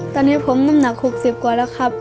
ตอนนี้ผมน้ำหนัก๖๐กว่าแล้วครับ